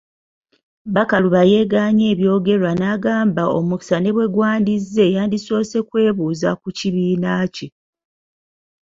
Bakaluba yeegaanye ebyogerwa n'agamba omukisa ne bwe gwandizze yandisoose kwebuuza ku kibiina kye.